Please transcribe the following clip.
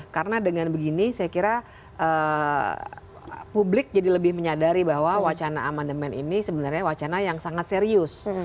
karena dengan begini saya kira publik jadi lebih menyadari bahwa wacana amandemen ini sebenarnya wacana yang sangat serius